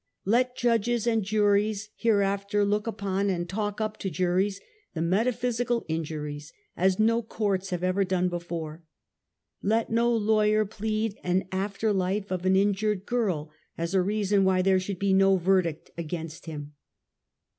Let judges and attorneys hereafter look upon and talk up to juries the metaphysical injuries as no courts have ever heard before — let no lawyer plead an after life of an injured girl as a reason why there should be no verdict as ainst him.